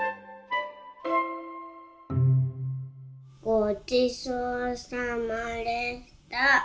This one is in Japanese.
ごちそうさまでした。